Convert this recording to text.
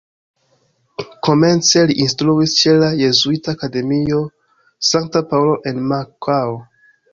Komence li instruis ĉe la Jezuita Akademio Sankta Paŭlo en Makao.